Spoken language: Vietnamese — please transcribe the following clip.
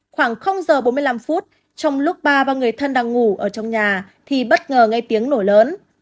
khoảng giờ bốn mươi năm phút trong lúc ba và người thân đang ngủ ở trong nhà thì bất ngờ nghe tiếng nổ lớn